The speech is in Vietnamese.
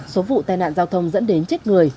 số vụ tai nạn giao thông dẫn đến chết người